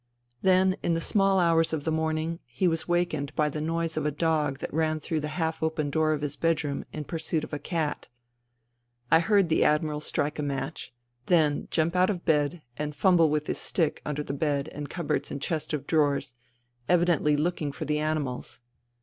Then in the small hours of the morning he was wakened by the noise of a dog that ran through the half open door of his bedroom in pursuit of a cat. I heard the Admiral strike a match, then jump out of bed and fumble with his stick under the bed and cupboards and chest of drawers, evi dently looking for the animals.